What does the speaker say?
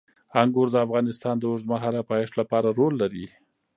انګور د افغانستان د اوږدمهاله پایښت لپاره رول لري.